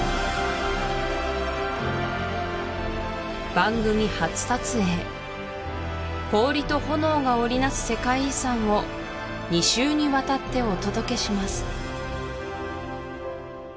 番組初撮影氷と炎が織りなす世界遺産を２週にわたってお届けします